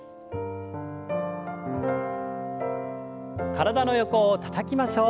体の横をたたきましょう。